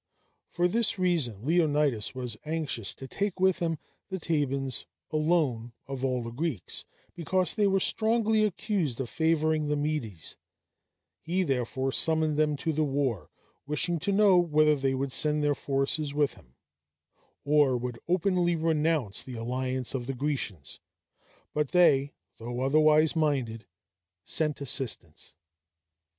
For this reason Leonidas was anxious to take with him the Thebans alone of all the Greeks, because they were strongly accused of favoring the Medes: he therefore summoned them to the war, wishing to know whether they would send their forces with him, or would openly renounce the alliance of the Grecians; but they, though otherwise minded, sent assistance.